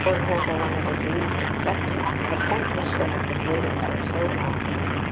e._ when it is least expected, the point which they have been waiting for so long.